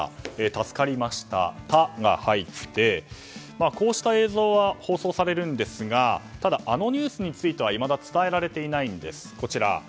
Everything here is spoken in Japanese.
助かりました、「タ」が入ってこうした映像は放送されるんですがただ、あのニュースについてはいまだ伝えられていないんです。